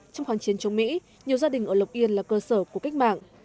trong khoảng chiến chống mỹ nhiều gia đình ở lộc yên là cơ sở của cách mạng